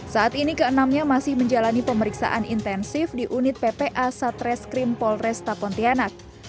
saat ini keenamnya masih menjalani pemeriksaan intensif di unit ppa satreskrim polresta pontianak